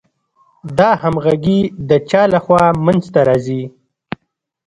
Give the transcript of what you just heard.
دا همغږي د چا له خوا منځ ته راځي؟